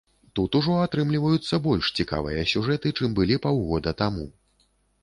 Тут ужо атрымліваюцца больш цікавыя сюжэты, чым былі паўгода таму.